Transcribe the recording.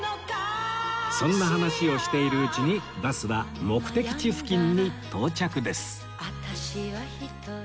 そんな話をしているうちにバスは目的地付近に到着です